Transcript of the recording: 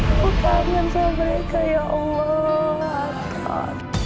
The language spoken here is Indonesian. aku pengen sama mereka ya allah